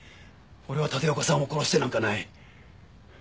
俺は立岡さんを殺してなんかない。